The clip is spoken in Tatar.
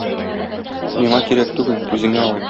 Миңа кирәк түгел, үзеңә ал.